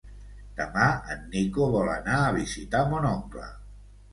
Demà en Nico vol anar a visitar mon oncle.